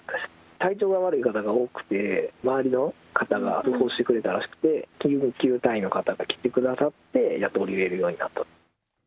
体調が悪い方が多くて、周りの方が通報してくれたらしくて、救護隊員の方が来てくださって、やっと降りれるようになったと。